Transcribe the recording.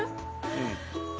うん。